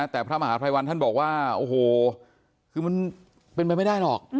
แต่พระมหาภัยวันท่านบอกว่าโอ้โหคือมันเป็นไปไม่ได้หรอก